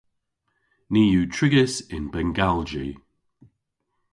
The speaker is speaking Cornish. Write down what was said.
Ni yw trigys yn bengalji.